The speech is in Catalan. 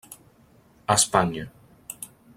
Espanya.